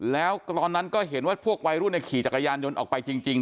แล้วตอนนั้นก็เห็นว่าพวกวัยรุ่นขี่จักรยานยนต์ออกไปจริง